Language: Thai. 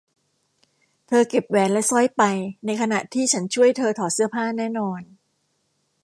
เธอเก็บแหวนและสร้อยไปในขณะที่ฉันช่วยเธอถอดเสื้อผ้าแน่นอน